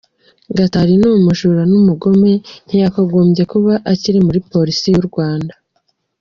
Gatari ni umujura numugome ntiyakagombye kuba akiri muri police yu Rwanda.